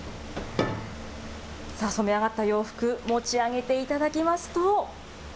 さあ、染め上がった洋服、持ち上げていただきますと。